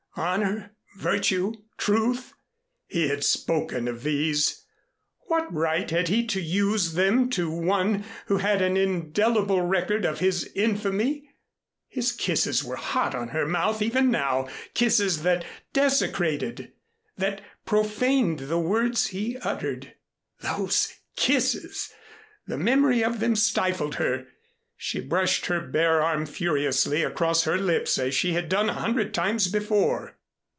Honor, virtue, truth? He had spoken of these. What right had he to use them to one who had an indelible record of his infamy? His kisses were hot on her mouth even now kisses that desecrated, that profaned the words he uttered. Those kisses! The memory of them stifled her. She brushed her bare arm furiously across her lips as she had done a hundred times before.